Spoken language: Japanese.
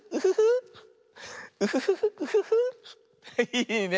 いいね。